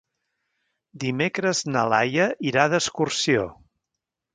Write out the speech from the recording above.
Dimecres na Laia irà d'excursió.